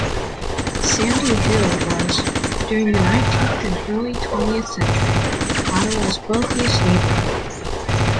Sandy Hill was, during the nineteenth and early twentieth century, Ottawa's wealthiest neighbourhood.